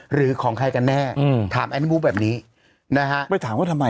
หรือของใครกันแน่ถามแอนนี่บู๊แบบนี้นะฮะไปถามว่าทำไม